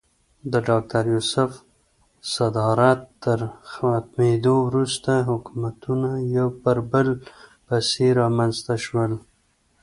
د ډاکټر یوسف صدارت تر ختمېدو وروسته حکومتونه یو پر بل پسې رامنځته شول.